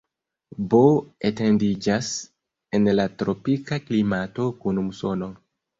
Bo etendiĝas en la tropika klimato kun musono.